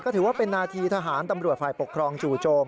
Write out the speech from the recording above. ถือว่าเป็นนาทีทหารตำรวจฝ่ายปกครองจู่โจม